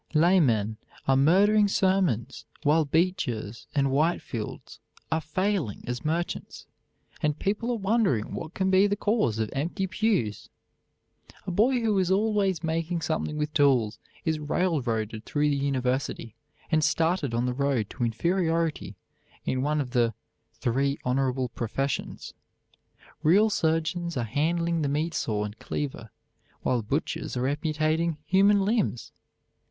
Laymen are murdering sermons while Beechers and Whitefields are failing as merchants, and people are wondering what can be the cause of empty pews. A boy who is always making something with tools is railroaded through the university and started on the road to inferiority in one of the "three honorable professions." Real surgeons are handling the meat saw and cleaver, while butchers are amputating human limbs.